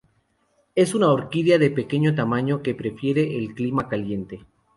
Es una orquídea de pequeño tamaño, que prefiere el clima caliente.